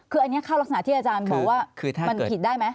คืออันนี้เข้ารักษณะที่อาจารย์บอกว่ามันผิดได้ไหม